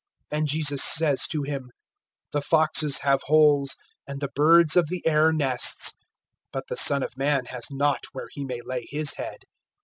(20)And Jesus says to him: The foxes have holes and the birds of the air nests; but the Son of man has not where he may lay his head.